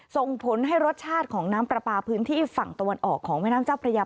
ส่งผลให้รสชาติของน้ำปลาปลาพื้นที่ฝั่งตะวันออกของแม่น้ำเจ้าพระยา